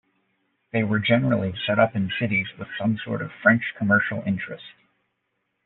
They were generally set up in cities with some sort of French commercial interest.